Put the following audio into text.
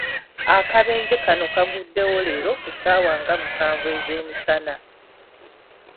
Akabenje kano kaguddewo leero ku ssaawa nga musanvu ezeemisana.